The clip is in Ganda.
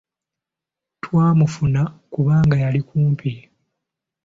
Twamufuna kubanga yali kumpi.